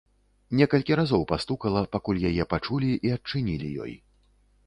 Некалькі разоў пастукала, пакуль яе пачулі і адчынілі ёй.